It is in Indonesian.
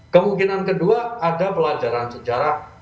kemungkinan kedua ada pelajaran sejarah